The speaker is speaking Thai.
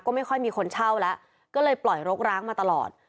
ก็ไม่ค่อยมีคนเช่าแล้วก็เลยปล่อยรกร้างมาตลอด